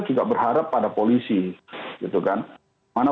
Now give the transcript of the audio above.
juga berharap pada polisi gitu kan